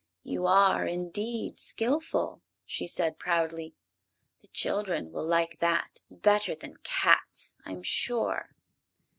"You are indeed skillful!" she said, proudly. "The children will like that better than cats, I'm sure."